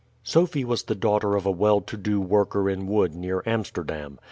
Sophie was the daughter of a well to do worker in wood near Amsterdam.